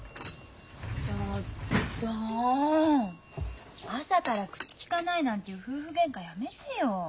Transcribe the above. ちょっと朝から口きかないなんていう夫婦げんかやめてよ。